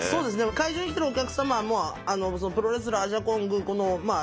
会場に来てるお客様もプロレスラーアジャコングまあ